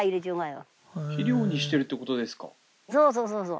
そうそうそうそう。